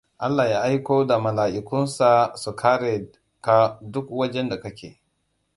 Allah Ya aiko da malaʻikunSa su kare ka duk wajenda ka ke.